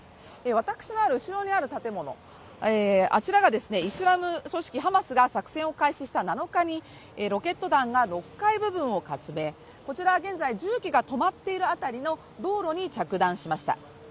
私の後ろにある建物、あちらがイスラム組織・ハマスが作戦を開始した７日にロケット弾が６階部分をかすめ、こちら、現在、重機が止まっている辺りの道路に着弾しました。